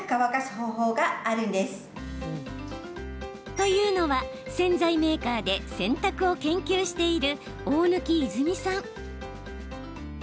というのは、洗剤メーカーで洗濯を研究している大貫和泉さん。